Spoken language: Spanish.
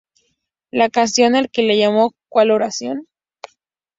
La canción, a la que se le llamó "¿Cuál oración?